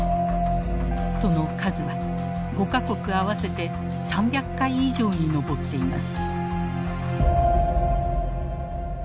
その数は５か国合わせて３００回以上に上っています。